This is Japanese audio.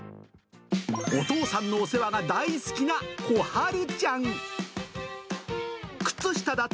お父さんのお世話が大好きな小春ちゃん。